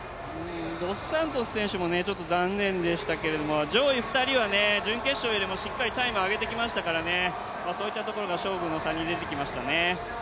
ドスサントス選手もちょっと残念でしたけど上位２人は準決勝よりもしっかりタイムを上げてきましたからね、そういったところが勝負の差に出てきましたね。